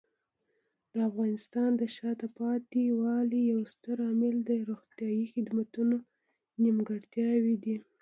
د افغانستان د شاته پاتې والي یو ستر عامل د روغتیايي خدماتو نیمګړتیاوې دي.